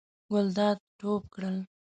ګلداد ټوپ کړل.